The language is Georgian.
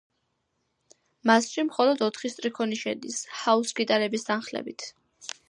მასში მხოლოდ ოთხი სტრიქონი შედის, ჰაუს გიტარების თანხლებით.